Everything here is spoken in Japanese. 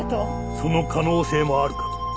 その可能性もあるかと。